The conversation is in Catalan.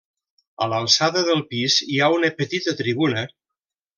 A l'alçada del pis hi ha una petita tribuna.